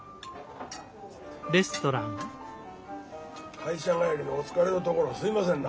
会社帰りのお疲れのところすいませんな。